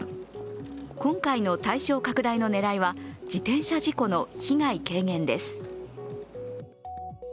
今回の対象拡大の狙いは自転車事故の被害軽減です。